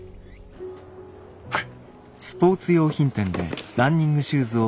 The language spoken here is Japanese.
はい。